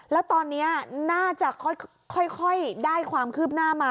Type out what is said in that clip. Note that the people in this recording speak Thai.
แล้วตอนนี้น่าจะค่อยได้ความคืบหน้ามา